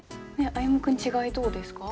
歩夢君違いどうですか？